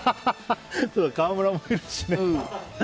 川村もいるしね。